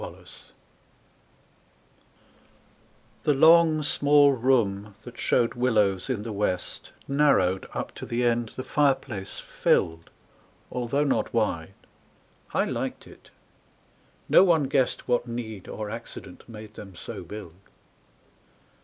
7 Autoplay THE long small room that showed willows in the west Narrowed up to the end the fireplace filled, Although not wide. I liked it. No one guessed What need or accident made them so build.